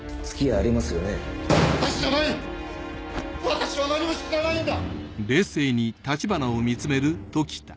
私は何も知らないんだ！